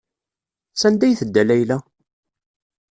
Sanda ay tedda Layla?